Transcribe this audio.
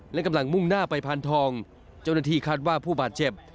และกำลังมุ่งหน้าไปพานทองเจ้าหน้าที่คาดว่าผู้บาดเจ็บ